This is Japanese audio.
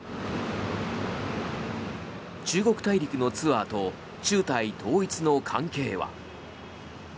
中国大陸のツアーと中台統一の関係は。